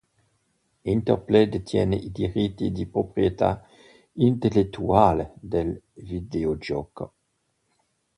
Interplay detiene i diritti di proprietà intellettuale del videogioco.